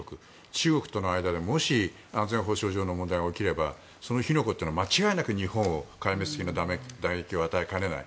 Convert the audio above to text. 中国との間でもし安全保障上の問題が起きればその火の粉は間違いなく日本に壊滅的な打撃を与えかねない。